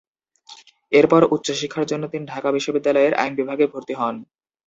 এরপর উচ্চ শিক্ষার জন্য তিনি ঢাকা বিশ্ববিদ্যালয়ের আইন বিভাগে ভর্তি হন।